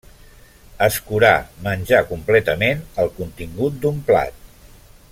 Escurar, menjar completament el contingut d'un plat.